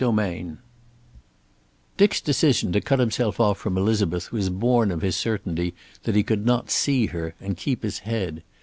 XVI Dick's decision to cut himself off from Elizabeth was born of his certainty that he could not see her and keep his head.